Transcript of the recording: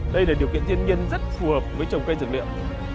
đây là điều kiện thiên nhiên rất phù hợp với trồng cây dược liệu